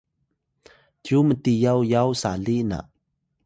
cyu mtiyaw yaw sali na